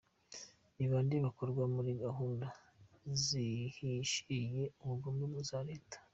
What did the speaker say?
– Ni bande bakonwa muri gahunda zihishiriye ubugome za Leta?